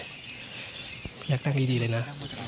ระยะดังดีดีเลยนะ